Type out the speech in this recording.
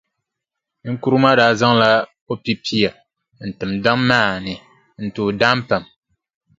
Niŋkurugu maa daa zaŋla o pipia n-tim daduɣu maa ni n- tooi daam pam.